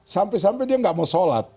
sampai sampai dia nggak mau sholat